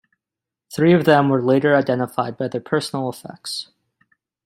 Three of them were later identified by their personal effects.